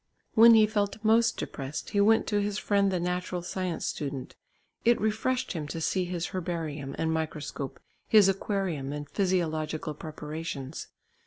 When he felt most depressed, he went to his friend the natural science student. It refreshed him to see his herbarium and microscope, his aquarium and physiological preparations.